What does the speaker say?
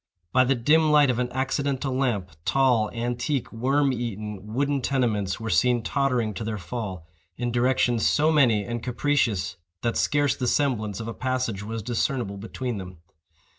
By the dim light of an accidental lamp, tall, antique, worm eaten, wooden tenements were seen tottering to their fall, in directions so many and capricious that scarce the semblance of a passage was discernible between them.